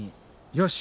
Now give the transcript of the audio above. よし！